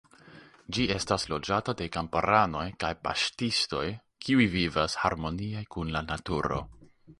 Ĝi estas loĝata de kamparanoj kaj paŝtistoj kiuj vivas harmonie kun la naturo.